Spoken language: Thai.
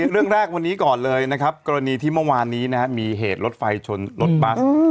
เรื่องแรกวันนี้ก่อนเลยนะครับกรณีที่เมื่อวานนี้มีเหตุรถไฟชนรถบัส